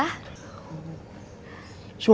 iya saya sudah sering lihat pak ustadz ada di musola